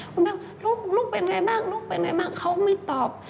คุณแม่ว่าลูกเป็นอย่างไรบ้างเขาก็ไม่ตอบ